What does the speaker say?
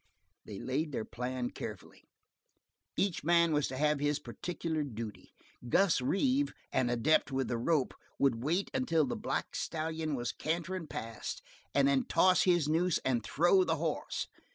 They laid their plan carefully. Each man was to have his peculiar duty: Gus Reeve, an adept with the rope, would wait until the black stallion was cantering past and then toss his noose and throw the horse.